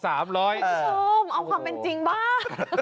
โอ้โฮเอาคำเป็นจริงบ้าง